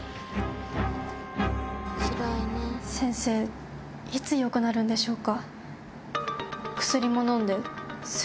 先生いつよくなるんでしょうか？